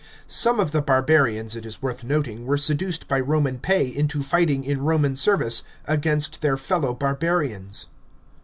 Some of the barbarians, it is worth noting, were seduced by Roman pay into fighting in Roman service. against their fellow barbarians.